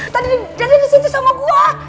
tadi dia ada disitu sama gua